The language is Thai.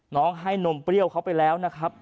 น้องให้นมเปรี้ยวเขาไปแล้วนะครับ